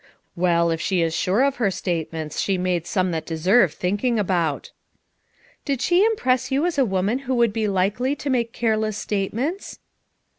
"Well, if she is sure of her statements she made some that deserve thinking about." "Did she impress you as a woman who would be likely to make careless statements?"